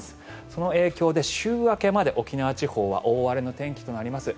その影響で週明けまで沖縄地方は大荒れの天気となります。